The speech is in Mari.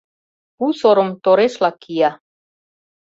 Пу сорым Торешла кия...